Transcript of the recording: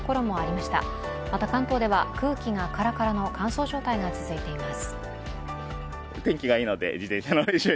また、関東では空気がカラカラの乾燥状態が続いています。